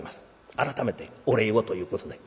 改めてお礼をということで。